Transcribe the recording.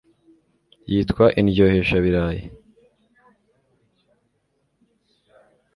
Yitwa Indyoheshabirayi